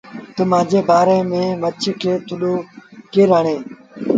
تا مآݩجي ڀآ ريٚ مڇ کي ٿڏو ڪير هڻي۔